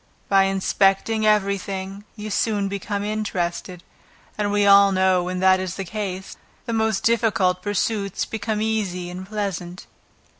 By inspecting every thing you soon become interested, and we all know when that is the case, the most difficult pursuits become easy and pleasant.